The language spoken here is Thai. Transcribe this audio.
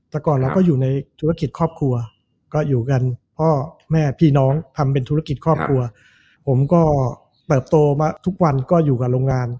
แต่ก่อนเราก็อยู่ในธุรกิจครอบครัวก็อยู่กันพ่อแม่พี่น้องทำเป็นธุรกิจครอบครัวผมก็เติบโตมาทุกวันก็อยู่กับโรงงาน